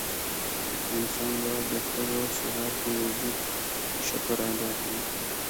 انسان بايد د خپل روغ صحت د وجود شکر ادا کړي